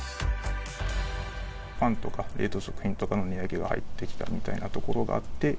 パンとか冷凍食品とかの値上げが入ってきたみたいなところがあって。